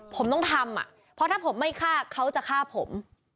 ผมต้องทำเพราะถ้าผมไม่ฆ่าเขาจะฆ่าผม